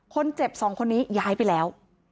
คนเจ็บ๒คนนี้ย้ายไปแล้ว